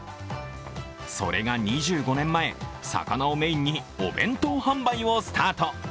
それが２５年前、魚をメーンにお弁当販売をスタート。